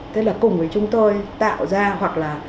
tức là cùng với chúng tôi tạo ra hoặc là